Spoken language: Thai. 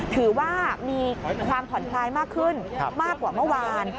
ถือว่ามีความผ่อนคลายมากขึ้นมากกว่าเมื่อวาน